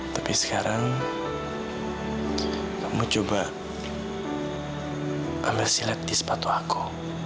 tapi sekarang kamu coba ambil silat di sepatu aku